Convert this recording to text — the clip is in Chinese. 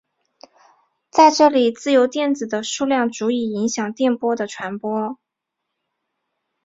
在这里自由电子的数量足以影响电波的传播。